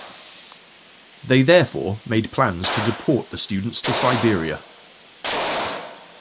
They therefore made plans to deport the students to Siberia.